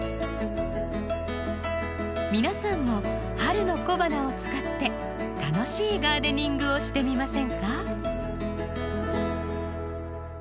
皆さんも春の小花を使って楽しいガーデニングをしてみませんか？